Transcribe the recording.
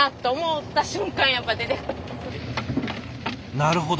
なるほど。